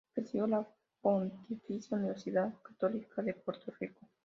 Presidió la Pontificia Universidad Católica de Puerto Rico.